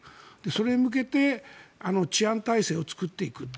それに向けて治安体制を作っていく。